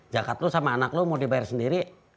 jakat lo sama anak lo mau dibayar sendiri